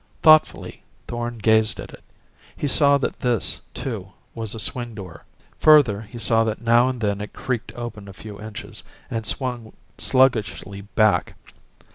Thoughtfully, Thorn gazed at it. He saw that this, too, was a swing door. Further, he saw that now and then it creaked open a few inches, and swung sluggishly back.